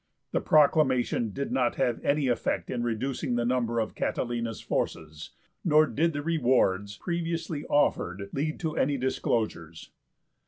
The proclamation did not have any effect in reducing the number of Catilina's forces, nor did the rewards previously offered lead to any disclosures.